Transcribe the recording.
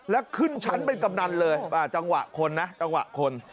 แล้วขึ้นชั้นเป็นกำนันเลยจังหวะคนนะจังหวะคน